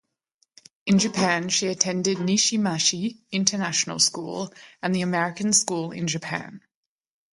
In Japan, she attended Nishimachi International School and the American School in Japan.